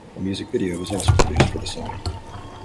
A music video was also produced for the song.